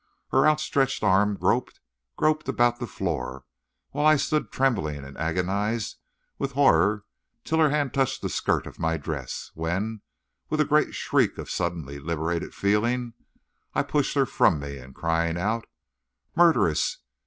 Her outstretched arm groped, groped about the floor, while I stood trembling and agonized with horror till her hand touched the skirt of my dress, when, with a great shriek of suddenly liberated feeling, I pushed her from me, and crying out, "Murderess!